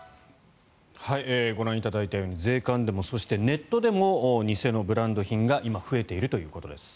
ご覧いただいたように税関でもそして、ネットでも偽のブランド品が今、増えているということです。